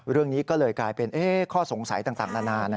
เรื่องนี้ก็เลยกลายเป็นข้อสงสัยต่างนานา